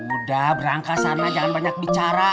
muda berangkat sana jangan banyak bicara